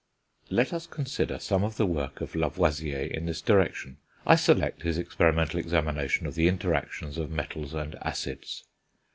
Let us consider some of the work of Lavoisier in this direction. I select his experimental examination of the interactions of metals and acids.